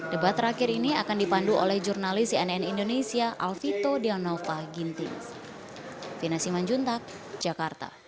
debat terakhir ini akan dipandu oleh jurnalis cnn indonesia alvito dianova ginting